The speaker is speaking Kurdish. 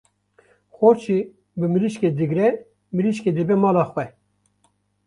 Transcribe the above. Xort jî bi mirîşkê digre, mirîşkê dibe mala xwe.